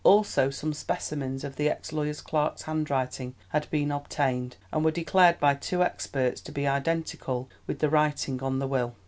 Also some specimens of the ex lawyer's clerk's handwriting had been obtained, and were declared by two experts to be identical with the writing on the will.